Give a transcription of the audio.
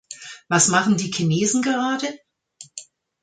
Was machen die Chinesen gerade?